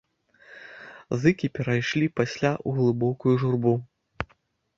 Зыкі перайшлі пасля ў глыбокую журбу.